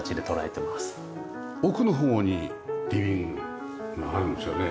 奥の方にリビングがあるんですよね？